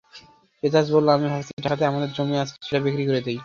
এজাজ বলল, আমি ভাবছি ঢাকাতে আমাদের জমি আছে, সেটা বিক্রি করে দিই।